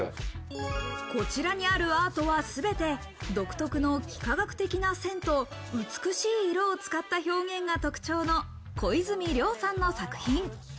こちらにあるアートはすべて独特の幾何学的な線と美しい色を使った表現が特徴の小泉遼さんの作品。